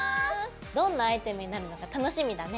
どんなアイテムになるのか楽しみだね。